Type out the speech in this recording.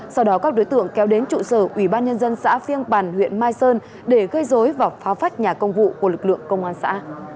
sau đó các đối tượng kéo đến trụ sở ủy ban nhân dân xã phiêng bàn huyện mai sơn để gây dối và phách nhà công vụ của lực lượng công an xã